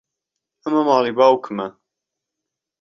ئەمە ماڵی باوکمە.